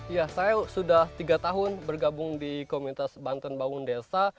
ya saya sudah tiga tahun bergabung di komunitas banten bangun desa